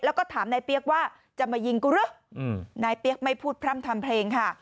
แล้วก็ถามนายเปี๊ยกว่าจะมายิงกูหรือนายเปี๊ยกไม่พูดพร่ำทำเพลงค่ะ